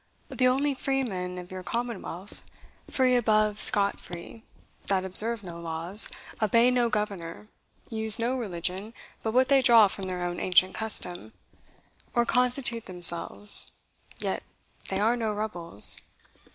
the only freeman of your commonwealth; Free above Scot free, that observe no laws, Obey no governor, use no religion But what they draw from their own ancient custom, Or constitute themselves, yet they are no rebels.